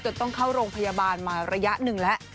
ต้องเข้าโรงพยาบาลมาระยะหนึ่งแล้ว